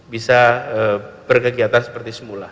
bisa berkegiatan seperti semula